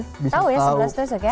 tahu ya sebelas tusuk ya